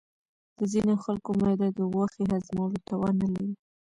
د ځینې خلکو معده د غوښې هضمولو توان نه لري.